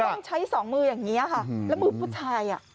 ต้องใช้สองมืออย่างนี้ค่ะแล้วมือผู้ชาย